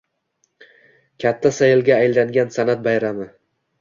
Katta saylga aylangan san’at bayrami